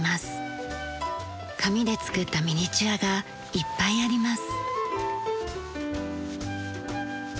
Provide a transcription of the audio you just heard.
紙で作ったミニチュアがいっぱいあります。